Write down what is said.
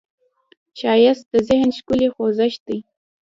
ښایست د ذهن ښکلې خوځښت دی